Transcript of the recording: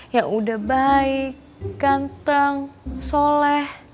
ya udah baik ganteng soleh